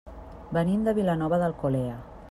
Venim de Vilanova d'Alcolea.